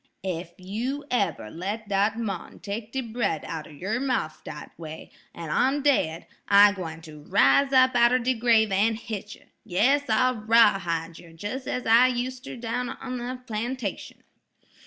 Ef you eber let dat mon take de bread outer yer mouf dat way, an I'm daid, I gwine ter riz up outer de grave an' hit yer; yas, I'll rawhide yer jes' as I user down on de plantation."